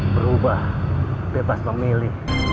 berubah bebas memilih